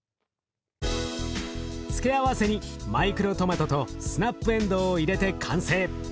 付け合わせにマイクロトマトとスナップエンドウを入れて完成。